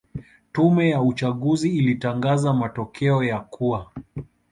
Tume ya uchaguzi ilitangaza matokeo ya kuwa